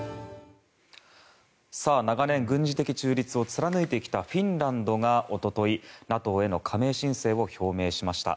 長年軍事的中立を貫いてきたフィンランドが一昨日、ＮＡＴＯへの加盟申請を表明しました。